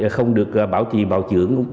không được bảo trì bảo trưởng